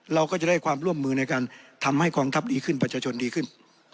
เราก็จะได้ความร่วมมือในการทำให้กองทัพดีขึ้นประชาชนดีขึ้น